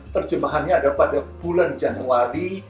terjemahannya adalah pada bulan januari